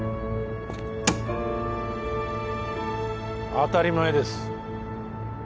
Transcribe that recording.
当たり前です